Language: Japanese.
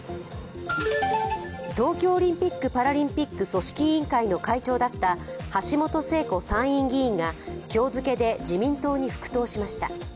東京オリンピック・パラリンピック組織委員会の会長だった橋本聖子参院議員が今日付で自民党に復党しました。